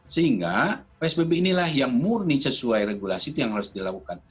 sehingga psbb inilah yang murni sesuai regulasi itu yang harus dilakukan